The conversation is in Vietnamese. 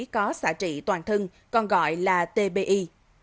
có xả trị toàn thân còn gọi là tbi